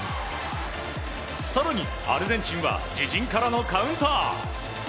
更にアルゼンチンは自陣からのカウンター。